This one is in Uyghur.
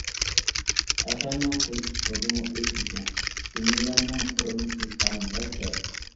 ئەسەرنىڭ تىل ئۇسلۇبىمۇ ئۆزگىچە، جۈملىلەرنىڭ قۇرۇلمىسى سەل مۇرەككەپ.